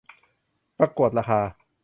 ประกวดราคา